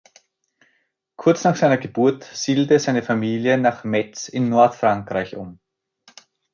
Kurz nach seiner Geburt siedelte seine Familie nach Metz in Nordfrankreich um.